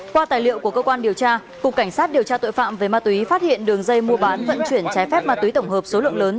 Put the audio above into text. qua tài liệu của cơ quan điều tra cục cảnh sát điều tra tội phạm về ma túy phát hiện đường dây mua bán vận chuyển trái phép ma túy tổng hợp số lượng lớn